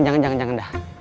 jangan jangan jangan dah